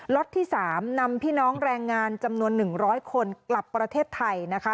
ที่๓นำพี่น้องแรงงานจำนวน๑๐๐คนกลับประเทศไทยนะคะ